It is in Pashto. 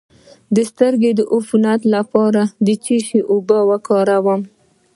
د سترګو د عفونت لپاره د څه شي اوبه وکاروم؟